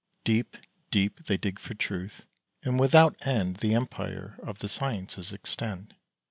Deep, deep they dig for truth, and without end The empire of the sciences extend.